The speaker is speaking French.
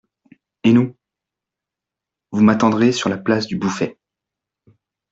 Et nous ? Vous m'attendrez sur la place du Bouffay.